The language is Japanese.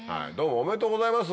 おめでとうございます。